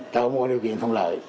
tạo một điều kiện thông lợi